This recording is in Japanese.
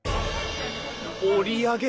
折り上げ